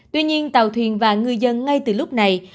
tuy nhiên tàu thuyền và ngư dân ngay từ lúc này